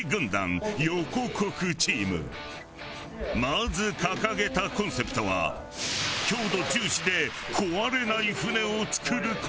まず掲げたコンセプトは強度重視で壊れない舟を作る事。